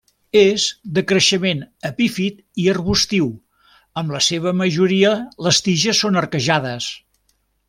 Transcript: És de creixement epífit i arbustiu amb la seva majoria les tiges són arquejades.